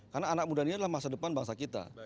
karena anak mudanya adalah masa depan bangsa kita